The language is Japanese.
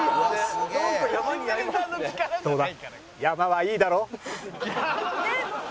どうだ？